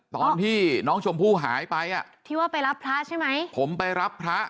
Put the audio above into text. ตอนที่น้องชมพู่หายไปอ่ะที่ว่าไปรับพระใช่ไหมผมไปรับพระ